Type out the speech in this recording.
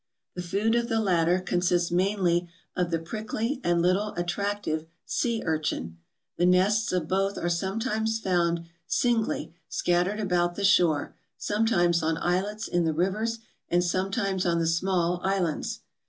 The food of the latter consists mainly of the prickly and little attractive sea urchin. The nests of both are sometimes found singly, scattered about the shore, sometimes on islets in the rivers and sometimes on the small islands.